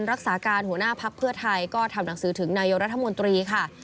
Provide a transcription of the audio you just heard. รักษาการหัวหน้าภักดิ์เพื่อไทยก็ทำหนังสือถึงนายกรัฐมนตรีค่ะ